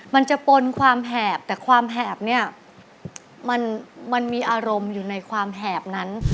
มันจะปนความแหบแต่ความแหบเนี่ยมันมีอารมณ์อยู่ในความแหบนั้น